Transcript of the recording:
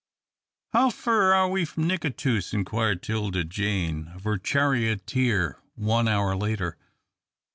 "How fur are we from Nicatoos?" inquired 'Tilda Jane of her charioteer one hour later.